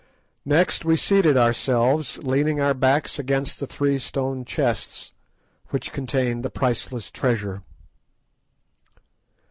Next we seated ourselves, leaning our backs against the three stone chests which contained the priceless treasure.